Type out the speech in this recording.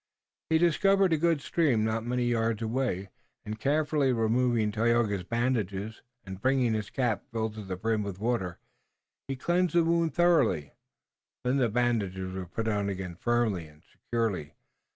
He discovered a good stream not many yards away, and carefully removing Tayoga's bandages, and bringing his cap filled to the brim with water, he cleansed the wound thoroughly. Then the bandages were put on again firmly and securely.